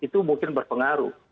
itu mungkin berpengaruh